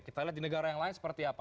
kita lihat di negara yang lain seperti apa